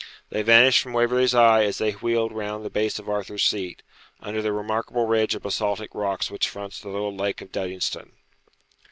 They vanished from Waverley's eye as they wheeled round the base of Arthur's Seat, under the remarkable ridge of basaltic rocks which fronts the little lake of Duddingston.